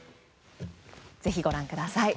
ぜひご覧ください。